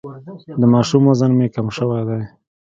د ماشوم وزن مي کم سوی دی.